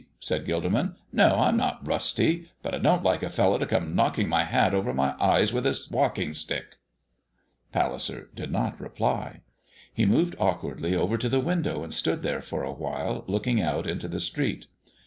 said Gilderman. "No, I'm not rusty, but I don't like a fellow to come knocking my hat over my eyes with his walking stick." Palliser did not reply. He moved awkwardly over to the window and stood there for a while looking out into the street.